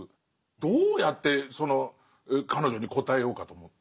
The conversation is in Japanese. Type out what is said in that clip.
どうやってその彼女に答えようかと思って。